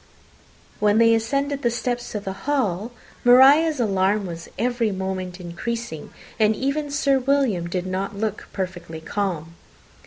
When they ascended the steps to the hall, Maria's alarm was every moment increasing, and even Sir William did not look perfectly calm.